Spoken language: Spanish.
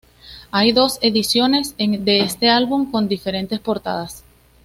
Hay dos ediciones de este álbum, con diferentes portadas.